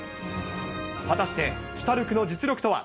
果たしてシュタルクの実力とは。